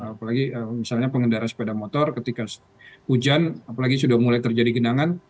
apalagi misalnya pengendara sepeda motor ketika hujan apalagi sudah mulai terjadi genangan